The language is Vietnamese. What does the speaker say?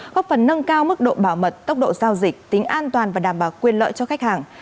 góp phần nâng cao mức độ bảo mật tốc độ giao dịch tính an toàn và đảm bảo quyền lợi cho khách hàng